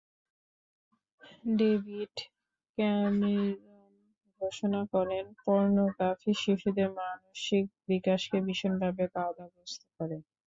David Cameron ঘোষণা করেন, pornography শিশুদের মানসিক বিকাশকে ভীষণভাবে বাধাগ্রস্ত করে।